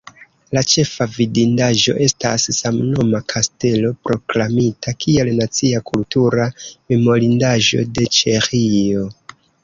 La ĉefa vidindaĵo estas samnoma kastelo, proklamita kiel Nacia kultura memorindaĵo de Ĉeĥio.